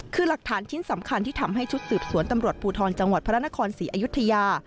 คือหลักฐานชิ้นสำคัญที่ทำให้ชุดสืบสวนตำรวจภูทรจังหวัดพระนครศรีอยุธยา